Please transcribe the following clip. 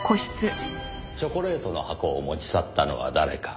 チョコレートの箱を持ち去ったのは誰か？